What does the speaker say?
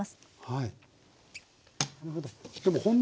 はい。